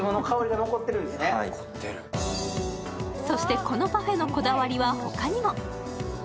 そして、このパフェのこだわりは他にも。